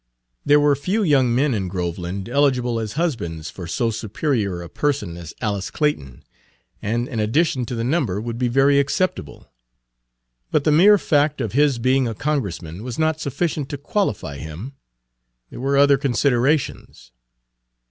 There were few young men in Groveland eligible as husbands for so superior a person as Alice Clayton, and an addition to the number would be very acceptable. But the mere fact of his being a Congressman was not sufficient to qualify him; there were other considerations.